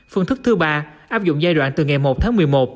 phương thức thứ ba áp dụng giai đoạn từ ngày một tháng một mươi một